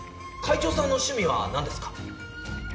会長さんのしゅみは何ですか？